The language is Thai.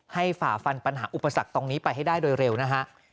ฝ่าฟันปัญหาอุปสรรคตรงนี้ไปให้ได้โดยเร็วนะฮะ